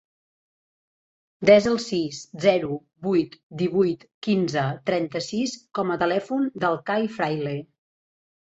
Desa el sis, zero, vuit, divuit, quinze, trenta-sis com a telèfon del Cai Fraile.